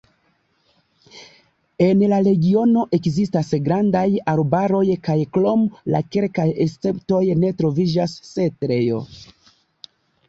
En la regiono ekzistas grandaj arbaroj kaj krom la kelkaj esceptoj ne troviĝas setlejo.